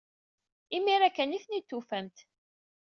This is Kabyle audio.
Imir-a kan ay ten-id-tufamt.